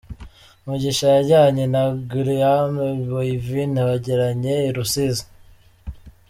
Mugisha yajyanye na Guillaume Boivin bageranye i Rusizi.